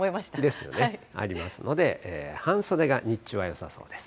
ですよね。ありますので、半袖が日中はよさそうです。